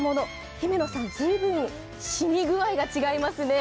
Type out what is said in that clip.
姫野さん、随分染み具合が違いますね。